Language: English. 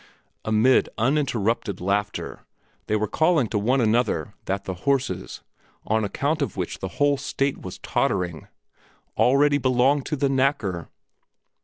Amid uninterrupted laughter they were calling to one another that the horses, on account of which the whole state was tottering, already belonged to the knacker!